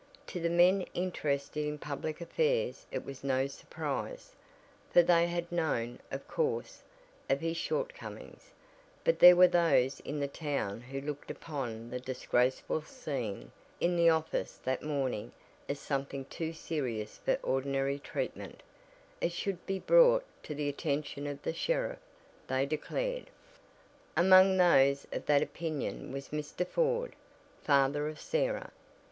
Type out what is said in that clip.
To the men interested in public affairs it was no surprise, for they had known, of course, of his shortcomings; but there were those in the town who looked upon the "disgraceful scene" in the office that morning as something too serious for ordinary treatment it should be brought to the attention of the sheriff, they declared. Among those of that opinion was Mr. Ford, father of Sarah.